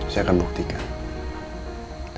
saya akan buktikan